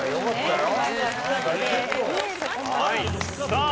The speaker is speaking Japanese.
さあ